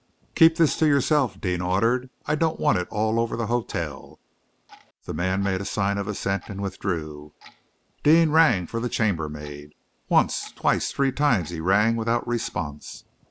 "Keep this to yourself," Deane ordered. "I don't want it all over the hotel." The man made a sign of assent and withdrew. Deane rang for the chambermaid. Once, twice, three times he rang, without response.